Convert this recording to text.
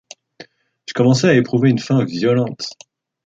Je commençais à éprouver une faim violente.